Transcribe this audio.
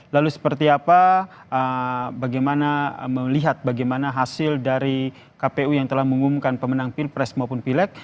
lalu seperti apa bagaimana melihat bagaimana hasil dari kpu yang telah mengumumkan pemenang pilpres maupun pileg